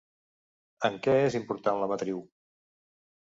En què és important la matriu?